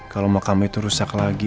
kalau makam itu rusak lagi